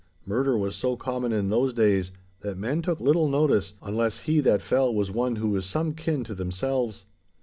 murder was so common in those days, that men took little notice unless he that fell was one who was some kin to themselves.